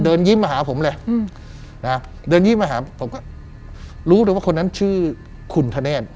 เดินยิ้มมาหาผมแหละอืมนะฮะเดินยิ้มมาหาผมก็รู้ดูว่าคนนั้นชื่อคุณธเนศ